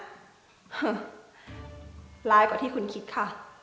ฮึแท้กว่าที่คุณคิดค่ะ